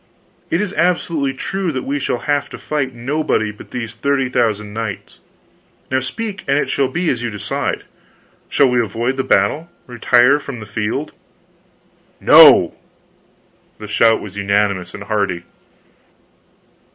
It is absolutely true that we shall have to fight nobody but these thirty thousand knights. Now speak, and it shall be as you decide. Shall we avoid the battle, retire from the field?" "NO!!!" The shout was unanimous and hearty.